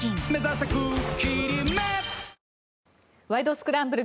スクランブル」